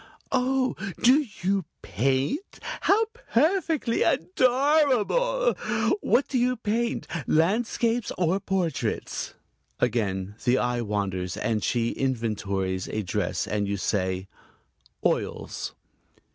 "Oh, do you paint? How perfectly adorable! What do you paint landscapes or portraits?" Again the eye wanders and she inventories a dress, and you say: "Oils."